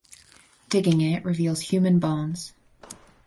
Digging it reveals human bones.